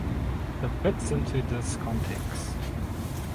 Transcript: The fits into this context.